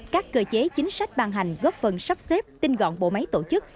các cơ chế chính sách ban hành góp phần sắp xếp tinh gọn bộ máy tổ chức